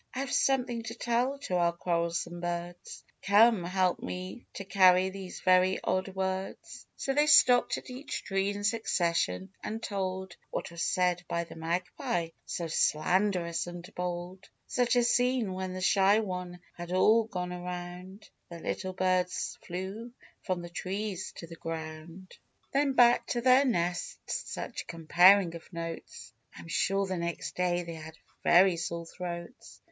I have something to tell to our quarrelsome birds ; Come, help me to carry these very odd words." So they stopped at each tree in succession, and told What was said by the Magpie, so slanderous and bold. Such a scene, when the Shy One had gone all around. The little birds flew from the trees to the ground ; 108 THE OLD MAGPIE. Then back to their nests ! Such comparing of notes ! I am sure the next day they had very sore throats.